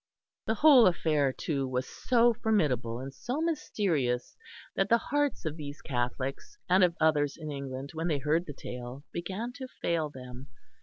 The whole affair, too, was so formidable and so mysterious that the hearts of these Catholics and of others in England when they heard the tale began to fail them.